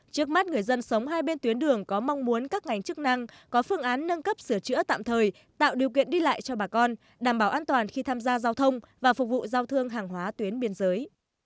trước mắt người dân sống hai bên tuyến đường có mong muốn các ngành chức năng có phương án nâng cấp sửa chữa tạm thời tạo điều kiện đi lại cho bà con đảm bảo an toàn khi tham gia giao thông và phục vụ giao thương hàng hóa tuyến biên giới